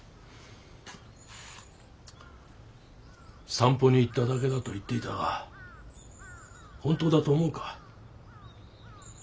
散歩に行っただけだと言っていたが本当だと思うか？